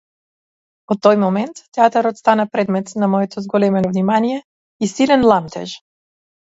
Од тој момент театарот стана предмет на моето зголемено внимание и силен ламтеж.